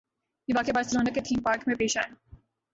یہ واقعہ بارسلونا کے تھیم پارک میں پیش آیا